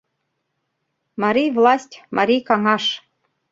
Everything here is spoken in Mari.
Марий власть — марий каҥаш —